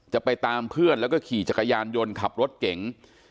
จะไปตามเพื่อนแล้วก็ขี่จักรยานยนต์ขับรถเก๋ง